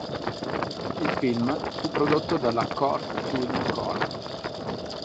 Il film fu prodotto dalla Cort Film Corp.